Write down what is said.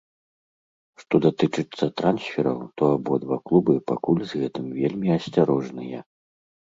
Што датычыцца трансфераў, то абодва клубы пакуль з гэтым вельмі асцярожныя.